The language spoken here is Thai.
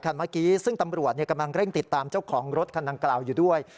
เมื่อกี้ซึ่งตำรวจกำลังเร่งติดตามเจ้าของรถคันดังกล่าวอยู่ด้วย